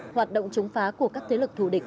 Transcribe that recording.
hoạt động chống phá của các thế lực thù địch